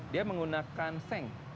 dia menggunakan seng